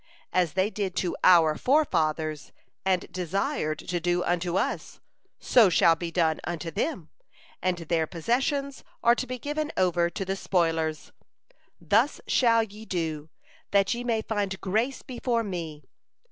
As they did to our forefathers, and desired to do unto us, so shall be done unto them, and their possessions are to be given over to the spoilers. Thus shall ye do, that ye may find grace before me.